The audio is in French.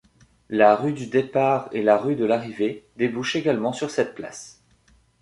La rue du Départ et la rue de l'Arrivée débouchent également sur cette place.